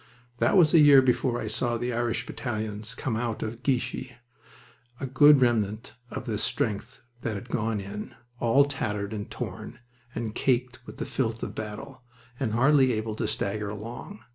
That was a year before I saw the Irish battalions come out of Guichy, a poor remnant of the strength that had gone in, all tattered and torn, and caked with the filth of battle, and hardly able to stagger along.